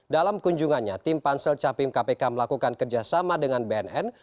dalam kunjungannya tim pansel capim kpk melakukan kerjasama dengan bnn